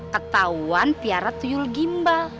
ketahuan piara tuyul gimba